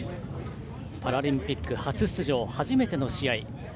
パラリンピック初出場初めての試合。